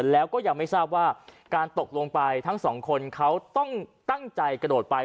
แล้วก็ยังไม่ทราบว่าการตกลงไปทั้งสองคนเขาต้องตั้งใจกระโดดไป